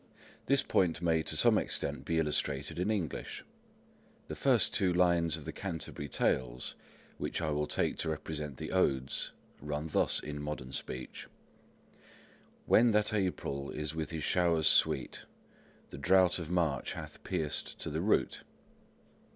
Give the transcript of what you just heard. This point may to some extent be illustrated in English. The first two lines of the Canterbury Tales, which I will take to represent the Odes, run thus in modern speech:— "When that Aprilis with his showers sweet, The drought of March hath pierced to the root."